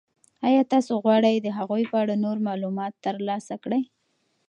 آیا تاسو غواړئ د هغوی په اړه نور معلومات ترلاسه کړئ؟